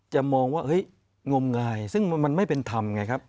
มองว่าเฮ้ยงมงายซึ่งมันไม่เป็นธรรมไงครับ